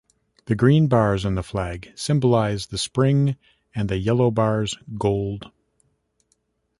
The green bars in the flag symbolize the spring and the yellow bars gold.